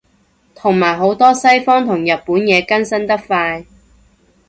同埋好多西方同日本嘢更新得快